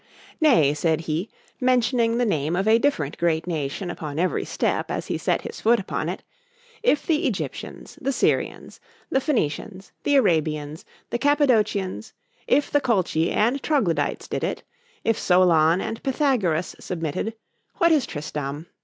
—Nay, said he, mentioning the name of a different great nation upon every step as he set his foot upon it—if the EGYPTIANS,—the SYRIANS,—the PHOENICIANS,—the ARABIANS,—the CAPPADOCIANS,——if the COLCHI, and TROGLODYTES did it——if SOLON and PYTHAGORAS submitted,—what is TRISTRAM?